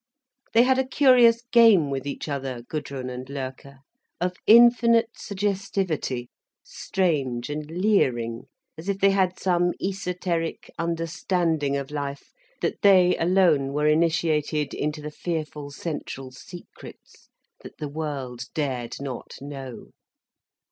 They had a curious game with each other, Gudrun and Loerke, of infinite suggestivity, strange and leering, as if they had some esoteric understanding of life, that they alone were initiated into the fearful central secrets, that the world dared not know.